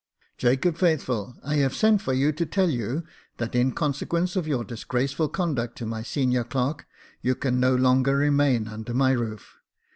" Jacob Faithful, I have sent for you to tell you, that in consequence of your disgraceful conduct to my senior clerk, you can no longer remain under my roof.